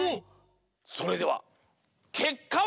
それではけっかは。